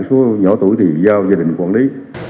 số nhỏ tuổi thì giao gia đình quản lý